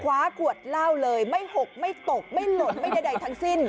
ขวาขวดล่าวเลยไม่หกไม่ตกไม่หลดไม่ได้ได้ทั้งสิ้น